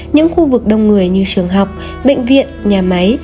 những khu vực đông người như trường học bệnh viện nhà máy